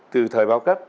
từ thời bao cấp